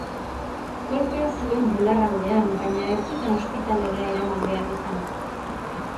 Kolpea zuen bularraldean baina ez zuten ospitalera eraman behar izan.